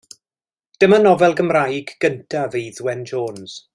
Dyma nofel Gymraeg gyntaf Eiddwen Jones.